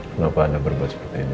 kenapa anda berbuat seperti ini